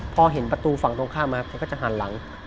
พอเห็นประตูฝั่งตรงข้ามมาแกก็จะหันหลัง